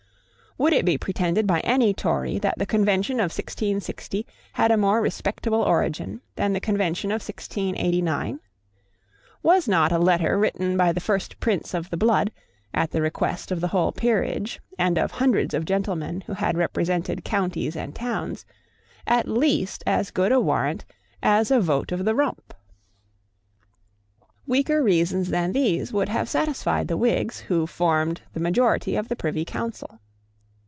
Would it be pretended by any Tory that the Convention of 1660 had a more respectable origin than the Convention of 1689? Was not a letter written by the first Prince of the Blood, at the request of the whole peerage, and of hundreds of gentlemen who had represented counties and towns, at least as good a warrant as a vote of the Rump? Weaker reasons than these would have satisfied the Whigs who formed the majority of the Privy Council.